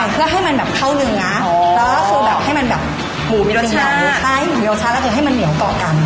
เพื่อให้มันเข้าเนื้อแล้วก็ให้มีรสชาติให้มีรสชาติแล้วก็ให้มันเหนียวก่อกัน